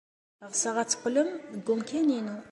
Ɣseɣ ad d-teqqlem deg umkan-inu.